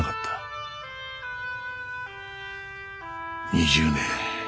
２０年。